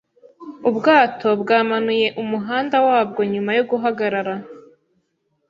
Ubwato bwamanuye umuhanda wabwo nyuma yo guhagarara.